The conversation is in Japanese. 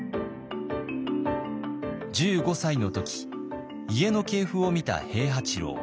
１５歳の時家の系譜を見た平八郎。